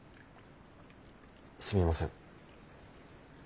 すみません。